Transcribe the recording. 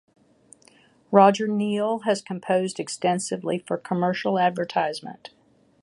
Roger Neill has composed extensively for commercial advertisement.